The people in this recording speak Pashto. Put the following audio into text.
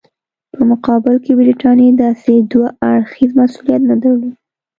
په مقابل کې برټانیې داسې دوه اړخیز مسولیت نه درلود.